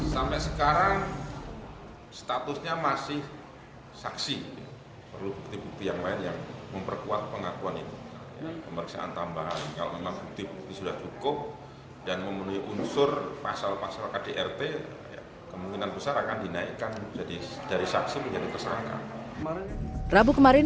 sampai sekarang statusnya masih